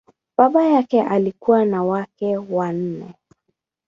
Baba yake alikuwa na wake wanne.